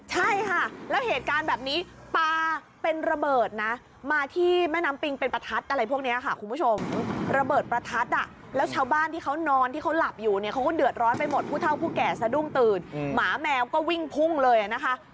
ใช่ค่ะแล้วเหตุการณ์แบบนี้ปลาเป็นระเบิดนะมาที่แม่น้ำปิงเป็นประทัดอะไรพวกนี้ค่ะคุณผู้ชมระเบิดประทัดอ่ะแล้วชาวบ้านที่เขานอนที่เขาหลับอยู่เนี่ยเขาก็เดือดร้อนไปหมดผู้เท่าผู้แก่สะดุ้งตื่นหมาแมวก็วิ่งพุ่งเลยนะคะ